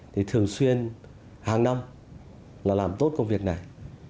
thì thường xuyên hàng năm là làm tốt công việc này